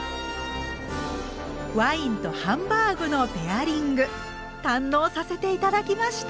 ワインとハンバーグのペアリング堪能させて頂きました！